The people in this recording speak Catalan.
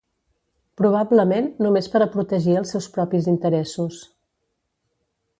Probablement només per a protegir els seus propis interessos.